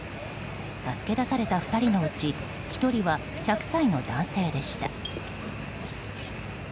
助け出された２人のうち１人は１００歳の男性でした。